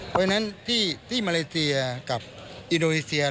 เพราะฉะนั้นที่มาเลเซียกับอินโดนีเซีย